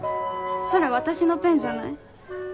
それ私のペンじゃない？